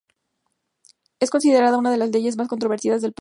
Es considerada una de las leyes más controvertidas del país.